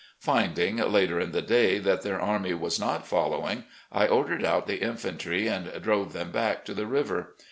Finding, later in the day, that their army was not following, I ordered out the infantry and drove them back to the river.